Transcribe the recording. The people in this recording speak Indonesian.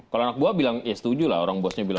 kalau anak buah bilang ya setuju lah orang bosnya bilang